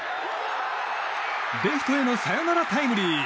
レフトへのサヨナラタイムリー！